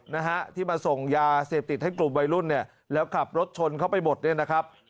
นะฮะที่มาส่งยาเสพติดให้กลุ่มวัยรุ่นเนี่ยแล้วขับรถชนเข้าไปหมดเนี่ยนะครับ